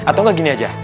atau gak gini aja